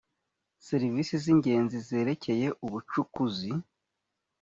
serivisi z ingenzi zerekeye ubucukuzi